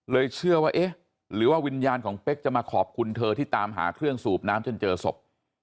เชื่อว่าเอ๊ะหรือว่าวิญญาณของเป๊กจะมาขอบคุณเธอที่ตามหาเครื่องสูบน้ำจนเจอศพ